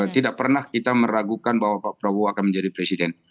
tidak pernah kita meragukan bahwa pak prabowo akan menjadi presiden